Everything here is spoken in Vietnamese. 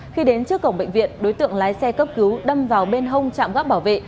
khi đến trước cổng bệnh viện đối tượng lái xe cấp cứu đâm vào bên hông trạm gác bảo vệ